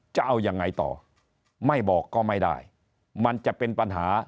จะเอายังไงต่อไม่บอกก็ไม่ได้มันจะเป็นปัญหา